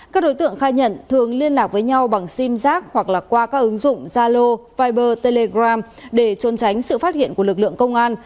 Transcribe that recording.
các đối tượng khai nhận thường liên lạc với nhau bằng sim giác hoặc là qua các ứng dụng zalo viber telegram để trôn tránh sự phát hiện của lực lượng công an